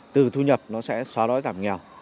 từ thu nhập nó sẽ xóa đói giảm nghèo